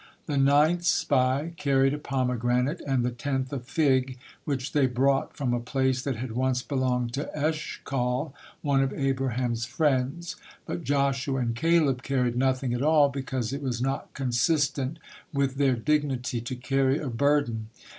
The ninth spy carried a pomegranate, and the tenth a fig, which they brought from a place that had once belonged to Eshcol, one of Abraham's friends, but Joshua and Caleb carried nothing at all, because it was not consistent with their dignity to carry a burden.